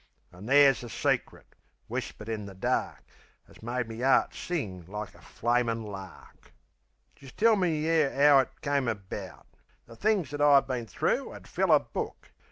An' there's a secret, whispered in the dark, 'As made me 'eart sing like a flamin' lark. Jist let me tell yeh 'ow it come about. The things that I've been thro' 'ud fill a book.